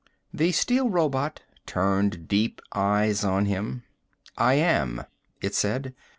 The steel robot turned deep eyes on him. "I am," it said.